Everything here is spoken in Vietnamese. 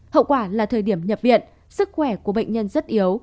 hậu quả là thời điểm nhập viện sức khỏe của bệnh nhân rất yếu